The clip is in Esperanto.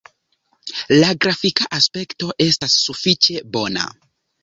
La grafika aspekto estas sufiĉe bona.